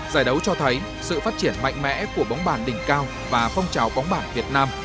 giải đấu cho thấy sự phát triển mạnh mẽ của bóng bàn đỉnh cao và phong trào bóng bản việt nam